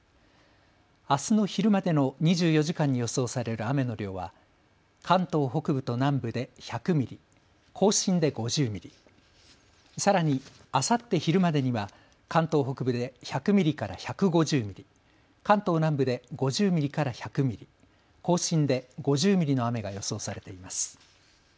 あすの昼までの２４時間に予想される雨の量は関東北部と南部で１００ミリ、甲信で５０ミリ、さらにあさって昼までには関東北部で１００ミリから１５０ミリ、関東南部で５０ミリから１００ミリ、甲信で５０ミリの雨が予想されています。